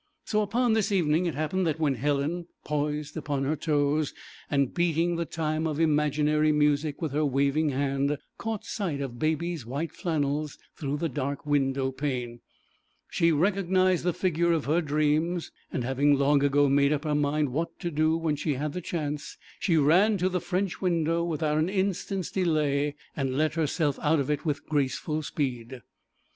So upon this evening it happened that when Helen, poised upon her toes and beating the time of imaginary music with her waving hand, caught sight of the Baby's white flannels through the dark window pane, she recognised the figure of her dreams and, having long ago made up her mind what to do when she had the chance, she ran to the French window without an instant's delay, and let herself out of it with graceful speed.